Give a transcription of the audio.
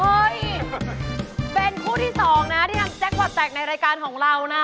เฮ้ยเป็นคู่ที่๒ที่ทำแจ๊คบอธแตกในรายการของเรานะ